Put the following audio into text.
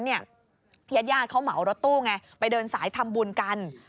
ญาติญาติเขาเหมารถตู้ไงไปเดินสายทำบุญกัน